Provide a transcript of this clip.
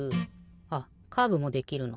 あっカーブもできるの。